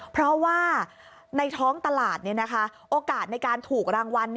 เพราะว่าในท้องตลาดโอกาสในการถูกรางวัล